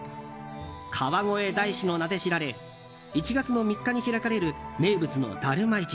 川越大師の名で知られ１月の３日に開かれる名物のだるま